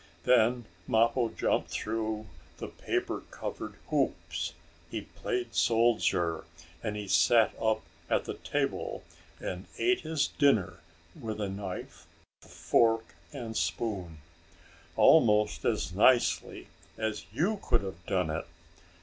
Then Mappo jumped through the paper covered hoops, he played soldier, and he sat up at the table and ate his dinner with a knife, fork and spoon, almost as nicely as you could have done it.